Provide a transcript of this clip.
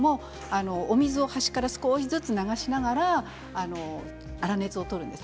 お水を端から少しずつ流しながら粗熱を取るんです。